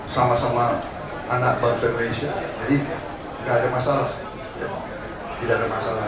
sama sama anak bangsa indonesia jadi tidak ada masalah